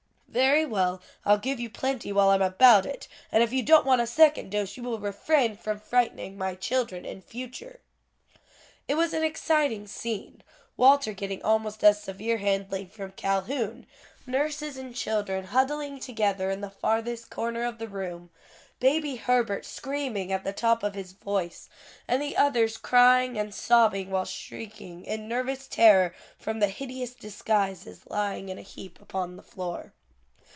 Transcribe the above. "Very well, I'll give you plenty while I'm about it, and if you don't want a second dose, you will refrain from frightening my children in future." It was an exciting scene, Walter getting almost as severe handling from Calhoun, nurses and children huddling together in the farthest corner of the room, Baby Herbert screaming at the top of his voice, and the others crying and sobbing while shrinking in nervous terror from the hideous disguises lying in a heap upon the floor.